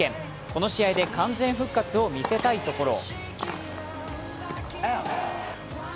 この試合で完全復活を見せたいところ。